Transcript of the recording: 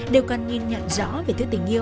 đều cần nhìn nhận rõ về tình yêu